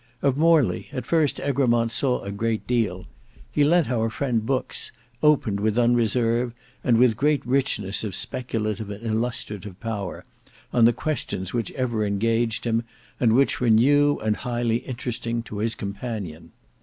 Of Morley, at first Egremont saw a great deal: he lent our friend books, opened with unreserve and with great richness of speculative and illustrative power, on the questions which ever engaged him, and which were new and highly interesting to his companion.